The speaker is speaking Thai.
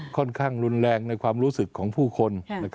ค่อนข้างรุนแรงในความรู้สึกของผู้คน